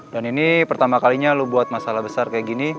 dan ini pertama kalinya lo buat masalah besar kayak gini